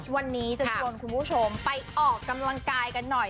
วันนี้จะชวนคุณผู้ชมไปออกกำลังกายกันหน่อย